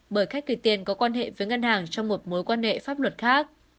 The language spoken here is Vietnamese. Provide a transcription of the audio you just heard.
bởi khách kỳ tiền có quan hệ với ngân hàng trong một mối quan hệ pháp luật khác